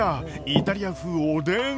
イタリア風おでん。